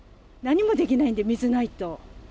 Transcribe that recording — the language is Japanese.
何もできないんで、水ないと。